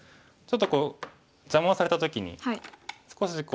ちょっとこう邪魔をされた時に少し